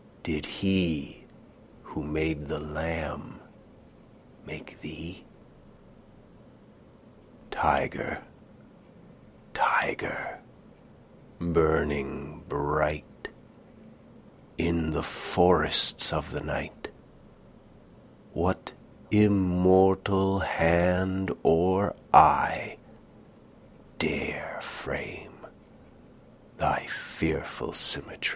Did he who made the lamb make thee? Tyger, tyger, burning bright In the forests of the night, What immortal hand or eye Dare frame thy fearful symmet